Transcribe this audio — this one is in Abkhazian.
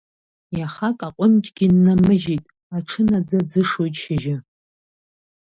Иахак аҟәынџьгьы ннамыжьит, аҽы наӡа ӡышоит шьыжьы.